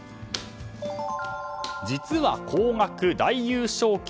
実は高額大優勝旗